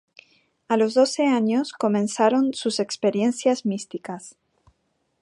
A los doce años comenzaron sus experiencias místicas.